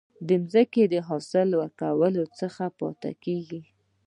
ځمکه د حاصل ورکولو څخه پاتي کیږي.